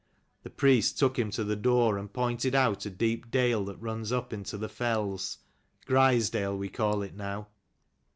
The priest took him to the door and pointed out a deep dale that runs up into the fells : Grizedale we call it now.